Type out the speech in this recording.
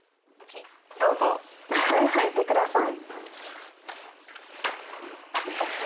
どうぞ入ってください。